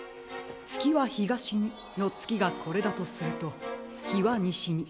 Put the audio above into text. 「つきはひがしに」のつきがこれだとすると「日はにしに」。